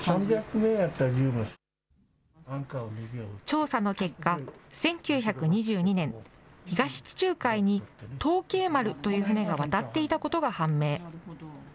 調査の結果、１９２２年、東地中海に東慶丸という船が渡っていたことが判明。